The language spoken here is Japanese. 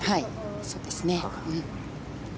そうですね。